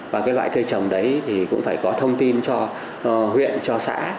và cái loại cây trồng đấy thì cũng phải có thông tin cho huyện cho xã